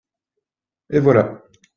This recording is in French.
et voilà.